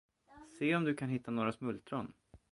Se om du kan hitta några smultron!